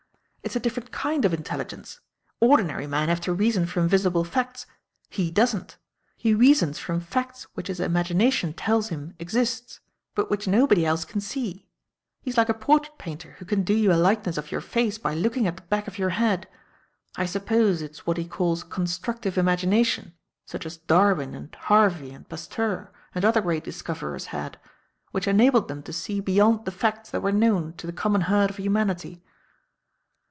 It's a different kind of intelligence. Ordinary men have to reason from visible facts. He doesn't. He reasons from facts which his imagination tells him exists, but which nobody else can see. He's like a portrait painter who can do you a likeness of your face by looking at the back of your head. I suppose it's what he calls constructive imagination, such as Darwin and Harvey and Pasteur and other great discoverers had, which enabled them to see beyond the facts that were known to the common herd of humanity."